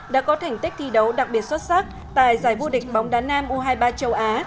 đã có thành tích thi đấu đặc biệt xuất sắc tại giải vô địch bóng đá nam u hai mươi ba châu á